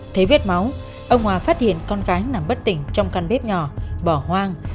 thấy vết máu ông hòa phát hiện con gái nằm bất tỉnh trong căn bếp nhỏ bỏ hoang